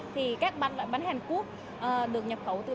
thì các bánh là bánh hàn quốc được nhập khẩu từ bnc